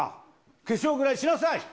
化粧ぐらいしなさい。